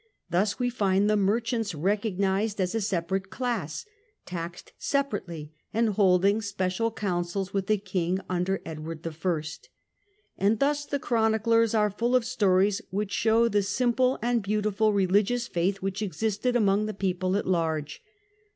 Thus we find the merchants recognized as a separate class, taxed separately, and holding special councils with the Popularity of king, under Edward I. And thus the chroni the Church. ^^^ ^g fyjj Qf stories which show the simple and beautiful religious faith which existed among the people at large.